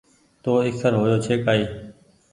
تو ايکر هيو ڇي ڪآئي